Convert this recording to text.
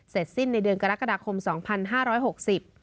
สิ้นในเดือนกรกฎาคมสองพันห้าร้อยหกสิบ